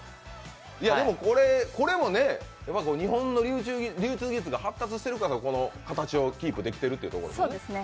でも、これも日本の流通技術が発達してるからこの形をキープできてるってことですよね？